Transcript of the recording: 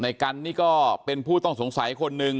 กันนี่ก็เป็นผู้ต้องสงสัยคนหนึ่ง